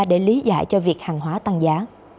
để lý giải cho việc hàng hóa tăng giá